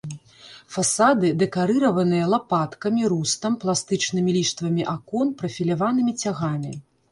Фасады дэкарыраваныя лапаткамі, рустам, пластычнымі ліштвамі акон, прафіляванымі цягамі.